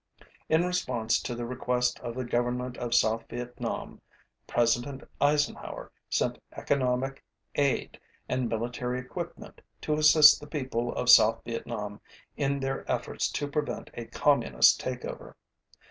In response to the request of the Government of South Vietnam, President Eisenhower sent economic aid and military equipment to assist the people of South Vietnam in their efforts to prevent a Communist takeover.